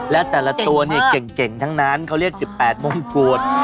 และแต่ละตัวเนี่ยเก่งทั้งนั้นเขาเรียก๑๘มงกุฎ